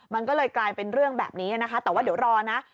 มันก็เลยกลายเป็นเรื่องแบบนี้นะคะแต่ว่าเดี๋ยวรอนะ